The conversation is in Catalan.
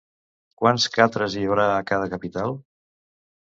Quants catres hi haurà a cada capital?